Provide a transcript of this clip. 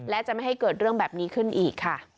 และจะไม่ให้เกิดเรื่องแบบนี้ขึ้นอีกค่ะ